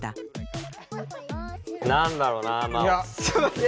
何だろうなまあ。